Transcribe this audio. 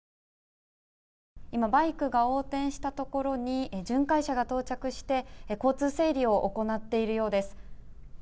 今、バイクが横転したところに巡回車が到着して交通整理を行っているようです。